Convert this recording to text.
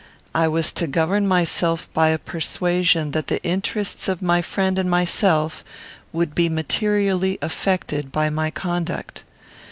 I was to govern myself by a persuasion that the interests of my friend and myself would be materially affected by my conduct.